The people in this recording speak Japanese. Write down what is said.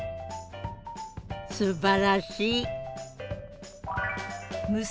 すばらしい！